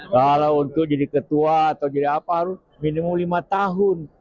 kalau untuk jadi ketua atau jadi apa harus minimum lima tahun